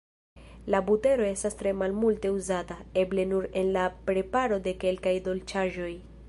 La butero estas tre malmulte uzata, eble nur en la preparo de kelkaj dolĉaĵoj.